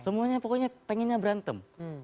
semuanya pokoknya pengennya berantem